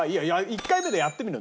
１回目でやってみる。